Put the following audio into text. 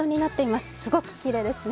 すごくきれいですね。